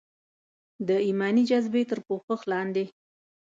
د ایماني جذبې تر پوښښ لاندې.